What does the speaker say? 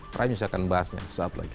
prime news akan bahasnya sesaat lagi